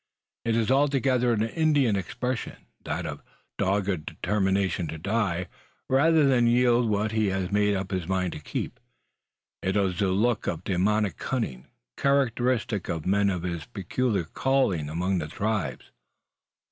It is altogether an Indian expression that of dogged determination to die rather than yield what he has made up his mind to keep. It is a look of demoniac cunning, characteristic of men of his peculiar calling among the tribes.